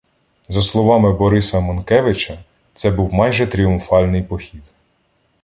За словами Бориса Монкевича, «Це був майже тріумфальний похід.